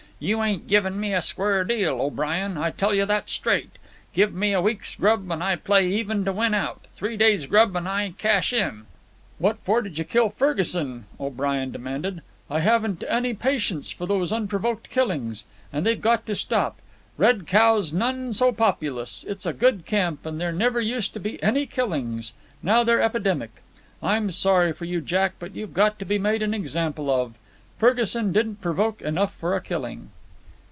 You ain't givin' me a square deal, O'Brien, I tell you that straight. Give me a week's grub, and I play even to win out. Three days' grub, an' I cash in." "What for did you kill Ferguson?" O'Brien demanded. "I haven't any patience for these unprovoked killings. And they've got to stop. Red Cow's none so populous. It's a good camp, and there never used to be any killings. Now they're epidemic. I'm sorry for you, Jack, but you've got to be made an example of. Ferguson didn't provoke enough for a killing."